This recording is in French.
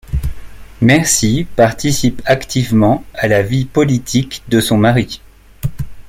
Mercy participe activement à la vie politique de son mari.